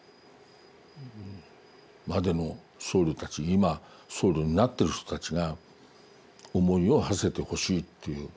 今僧侶になっている人たちが思いをはせてほしいっていう。